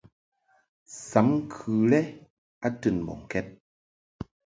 Sam ŋkɨ lɛ a tɨn mbɔŋkɛd.